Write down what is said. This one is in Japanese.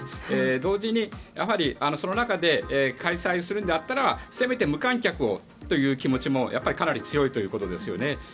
同時に、やはりその中で開催するのであったらせめて無観客をという気持ちもかなり強いということですよね。